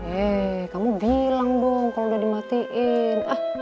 eh kamu bilang dong kalau udah dimatiin